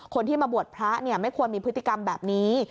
คนที่มาบวชพระไม่ควรมีพฤติกรรมแบบนี้